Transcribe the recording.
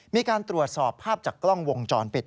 มีการตรวจสอบภาพจากกล้องวงจรปิด